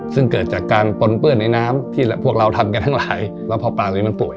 ซึ่งเกิดจากการปนเปื้อนในน้ำที่พวกเราทำกันทั้งหลายแล้วพอปากนี้มันป่วย